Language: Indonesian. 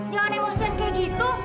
jangan emosian kayak gitu